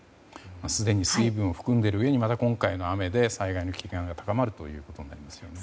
すでに水分を含んでいるうえにまた今回の雨で災害の危険が高まるということになりますよね。